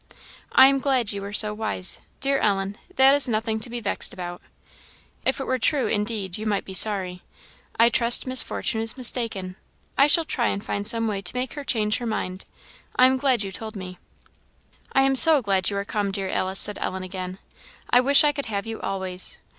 "I am glad you were so wise. Dear Ellen, that is nothing to be vexed about. If it were true, indeed, you might be sorry. I trust Miss Fortune is mistaken. I shall try and find some way to make her change her mind. I am glad you told me." "I am so glad you are come, dear Alice!" said Ellen again. "I wish I could have you always!"